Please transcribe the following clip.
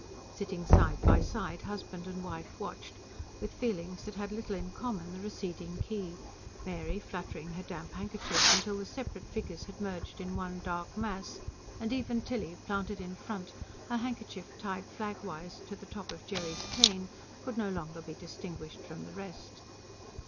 Sitting side by side husband and wife watched, with feelings that had little in common, the receding quay, Mary fluttering her damp handkerchief till the separate figures had merged in one dark mass, and even Tilly, planted in front, her handkerchief tied flagwise to the top of Jerry's cane, could no longer be distinguished from the rest.